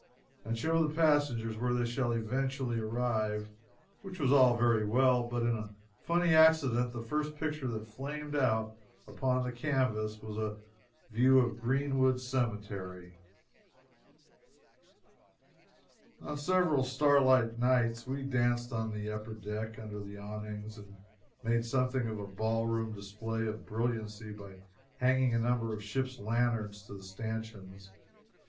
and show the passengers where they shall eventually arrive" which was all very well, but by a funny accident the first picture that flamed out upon the canvas was a view of Greenwood Cemetery! On several starlight nights we danced on the upper deck, under the awnings, and made something of a ball room display of brilliancy by hanging a number of ship's lanterns to the stanchions.